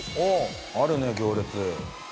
あるね行列。